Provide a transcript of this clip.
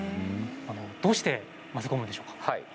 どうして混ぜ込むんでしょうか？